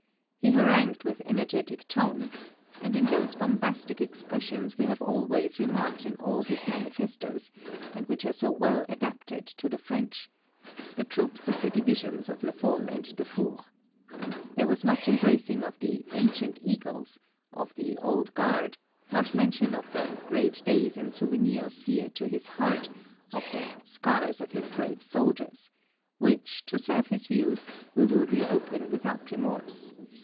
He harangued with energetic tone (and in those bombastic expressions we have always remarked in all his mani festoes, and which are so well adapted to the French) the troops of the divisions of Lefol and Defour. There was much embracing of the " Ancient Eagles " of the Old Guard, much mention of "great days and souvenirs dear to his heart," of the "scars of his brave soldiers," which, to serve his views, we will reopen without remorse.